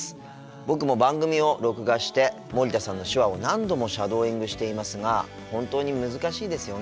僕も番組を録画して森田さんの手話を何度もシャドーイングしていますが本当に難しいですよね。